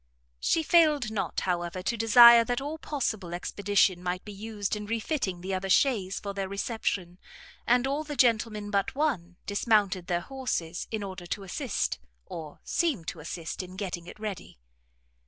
She failed not, however, to desire that all possible expedition might be used in refitting the other chaise for their reception; and all the gentlemen but one, dismounted their horses, in order to assist, or seem to assist in getting it ready.